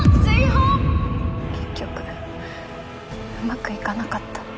結局うまくいかなかった。